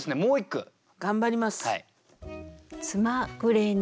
頑張ります。